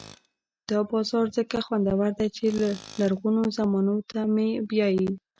دا بازار ځکه خوندور دی چې لرغونو زمانو ته مې بیايي.